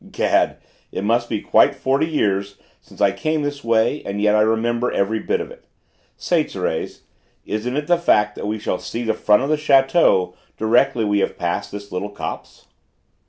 Gad! it must be quite forty years since I came this way, and yet I remember every bit of it. Say, Thérèse, isn't it the fact that we shall see the front of the château directly we have passed this little copse?"